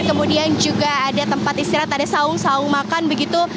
kemudian juga ada tempat istirahat ada saung saung makan begitu